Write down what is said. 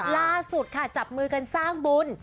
ล่าสุดค่ะจับมือกันสร้างบุญ